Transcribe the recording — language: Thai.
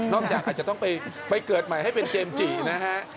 จากอาจจะต้องไปเกิดใหม่ให้เป็นเจมส์จินะฮะ